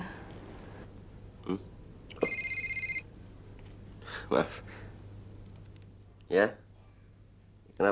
berdasarkan mimpi yang dia alaminya